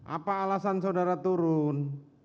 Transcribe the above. apa alasan saudara turun